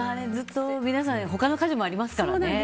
皆さん他の家事もありますからね。